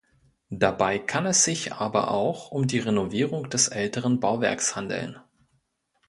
Dabei kann es sich aber auch um eine Renovierung des älteren Bauwerks handeln.